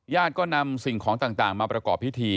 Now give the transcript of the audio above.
ก็นำสิ่งของต่างมาประกอบพิธี